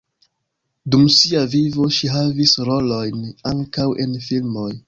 Dum sia vivo ŝi havis rolojn ankaŭ en filmoj.